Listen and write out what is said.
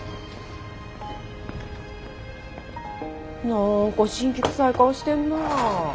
何か辛気くさい顔してんなあ。